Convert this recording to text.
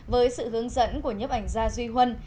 với sự hướng dẫn của nhiếp ảnh gia duy huân